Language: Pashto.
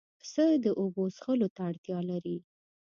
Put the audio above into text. پسه د اوبو څښلو ته اړتیا لري.